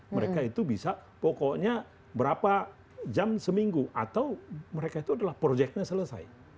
mereka itu bisa pokoknya berapa jam seminggu atau mereka itu adalah proyeknya selesai